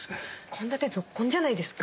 献立ぞっこんじゃないですか。